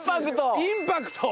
インパクト！